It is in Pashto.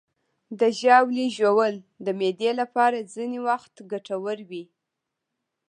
د ژاولې ژوول د معدې لپاره ځینې وخت ګټور وي.